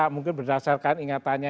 mungkin berdasarkan ingatannya